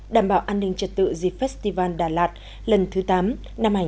đảm bảo an ninh trật tự dịp festival đà lạt lần thứ tám năm hai nghìn một mươi chín